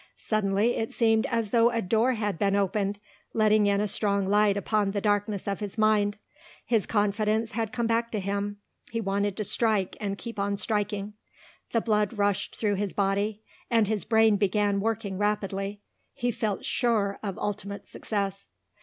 Suddenly it seemed as though a door had been opened, letting in a strong light upon the darkness of his mind. His confidence had come back to him. He wanted to strike and keep on striking. The blood rushed through his body and his brain began working rapidly. He felt sure of ultimate success.